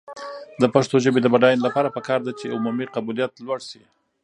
د پښتو ژبې د بډاینې لپاره پکار ده چې عمومي قبولیت لوړ شي.